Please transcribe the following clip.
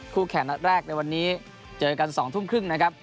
แข่งนัดแรกในวันนี้เจอกัน๒ทุ่มครึ่งนะครับ